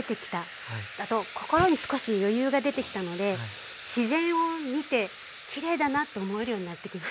あと心に少し余裕が出てきたので自然を見てきれいだなと思えるようになってきました。